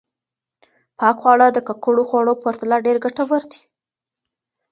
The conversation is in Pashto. پاک خواړه د ککړو خوړو په پرتله ډېر ګټور دي.